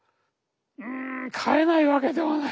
うん買えないわけではない。